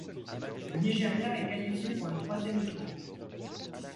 Le Nigeria est qualifié pour le troisième tour.